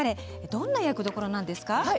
どんな役どころなんですか？